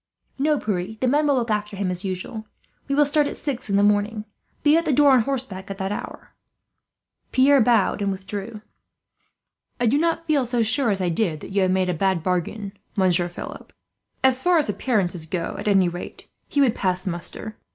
"No, Pierre; the men will look after him, as usual. We will start at six in the morning. Be at the door, on horseback, at that hour." Pierre bowed and withdrew. "I do not feel so sure as I did that you have made a bad bargain, Monsieur Philip. As far as appearances go, at any rate, he would pass muster.